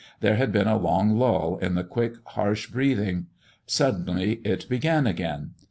There had been a long lull in the quick, harsh breathing; suddenly it began again.